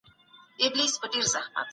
ځــــوان ويـــــلــــه راتــــــــــه